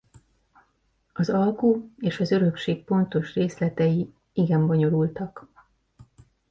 Az alku és az örökség pontos részletei igen bonyolultak.